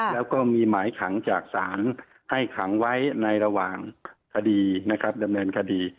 แล้วก็มีหมายขังจากศาลให้ขังไว้ในระหว่างคดีนะครับดำเนินคดี